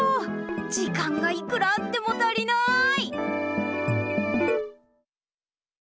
時間がいくらあっても足りない！